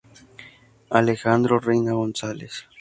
Alejandro Reyna González.